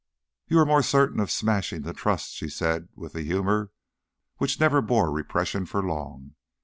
"You are more certain of smashing the Trusts," she said with the humour which never bore repression for long.